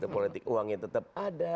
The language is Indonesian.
politik uangnya tetap ada